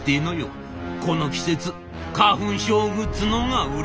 この季節花粉症グッズのほうが売れるから」。